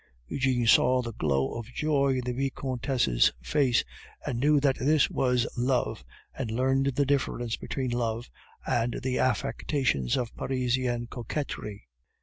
Eugene saw the glow of joy on the Vicomtesse's face, and knew that this was love, and learned the difference between love and the affectations of Parisian coquetry.